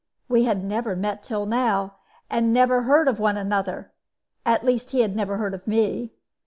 We had never met till now, nor even heard of one another; at least he had never heard of me.